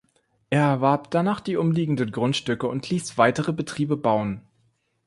Er erwarb danach die umliegenden Grundstücke und ließ weitere Betriebe bauen.